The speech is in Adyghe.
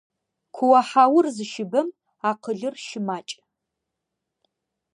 Куо-хьаур зыщыбэм акъылыр щымакӏ.